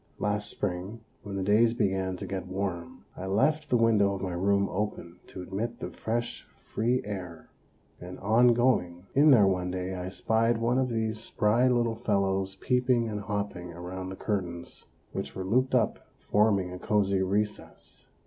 Last spring, when the days began to get warm, I left the window of my room open to admit the fresh free air; and on going in there one day I spied one of these spry little fellows peeping and hopping around the curtains, which were looped up, forming a cozy recess.